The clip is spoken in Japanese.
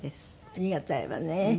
ありがたいわね。